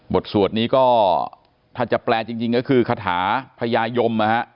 สวดนี้ก็ถ้าจะแปลจริงก็คือคาถาพญายมนะฮะ